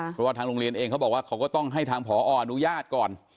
เพราะว่าทางโรงเรียนเองเขาบอกว่าเขาก็ต้องให้ทางพออนุญาตก่อน